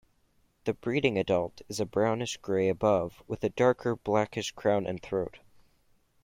The breeding adult is brownish grey above with a darker blackish crown and throat.